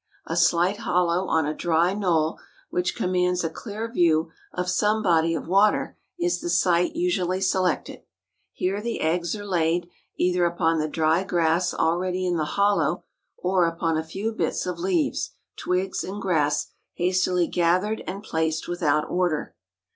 A slight hollow on a dry knoll, which commands a clear view of some body of water, is the site usually selected. Here the eggs are laid, either upon the dry grass already in the hollow or upon a few bits of leaves, twigs and grass hastily gathered and placed without order.